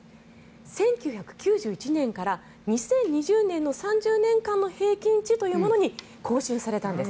１９９１年から２０２０年の３０年間の平均値というものに更新されたんです。